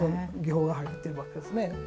技法が入ってるわけですね。